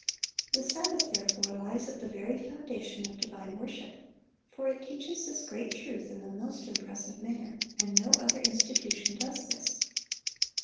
"The Sabbath, therefore, lies at the very foundation of divine worship; for it teaches this great truth in the most impressive manner, and no other institution does this.